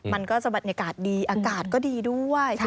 มันก็จะบรรยากาศดีอากาศก็ดีด้วย